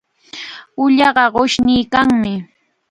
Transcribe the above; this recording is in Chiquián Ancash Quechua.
Ullaqa qushniykanmi.